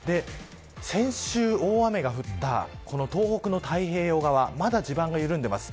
先週大雨が降った東北の太平洋側まだ地盤が緩んでいます。